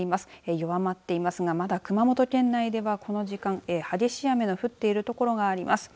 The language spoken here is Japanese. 弱まっていますがまだ熊本県内ではこの時間激しい雨の降っているところがります。